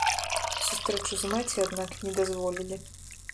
Сустрэчу з маці, аднак, не дазволілі.